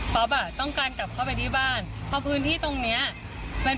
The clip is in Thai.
ป๊อปต้องการกลับเข้าไปที่บ้าน